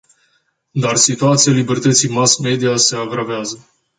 Dar situația libertății mass-media se agravează.